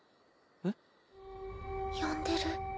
えっ？呼んでる。